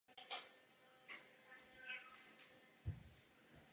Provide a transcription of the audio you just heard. Toto tvrzení je pak možné dokazovat dvěma způsoby.